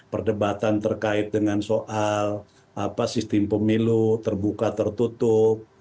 perdebatan terkait dengan soal sistem pemilu terbuka tertutup